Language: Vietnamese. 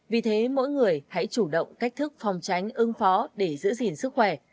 vì thế mỗi người hãy chủ động cách thức phòng tránh ứng phó để giữ gìn sức khỏe